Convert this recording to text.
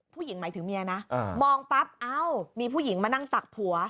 หมายถึงเมียนะมองปั๊บเอ้ามีผู้หญิงมานั่งตักผัว